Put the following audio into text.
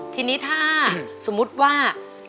ทีนี้ถ้าสมมุติว่า